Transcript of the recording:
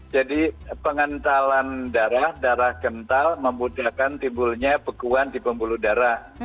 jadi pengentalan darah darah kental memudahkan timbulannya bekuan di pembuluh darah